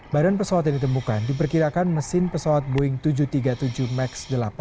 badan pesawat yang ditemukan diperkirakan mesin pesawat boeing tujuh ratus tiga puluh tujuh max delapan